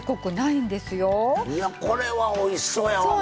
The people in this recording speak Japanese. いやこれはおいしそうやわほんまに。